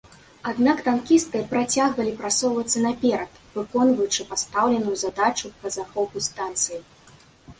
Аднак танкісты працягвалі прасоўвацца наперад, выконваючы пастаўленую задачу па захопу станцыі.